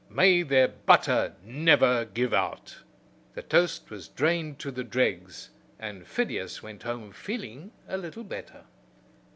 May their butter never give out." The toast was drained to the dregs, and Phidias went home feeling a little better.